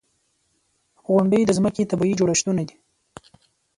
• غونډۍ د ځمکې طبعي جوړښتونه دي.